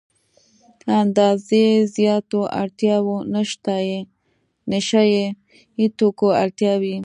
اندازې زياتو اړتیاوو نشه يي توکو اړتیا وي.